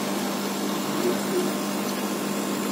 D’où vient-il ?